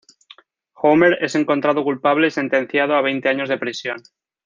Homer es encontrado culpable y sentenciado a veinte años de prisión.